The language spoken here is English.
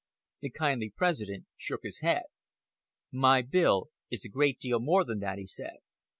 The kindly President shook his head. "My bill is a great deal more than that," he said.